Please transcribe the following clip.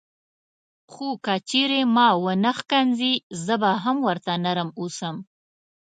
خو که چیرې ما ونه ښکنځي زه به هم ورته نرم اوسم.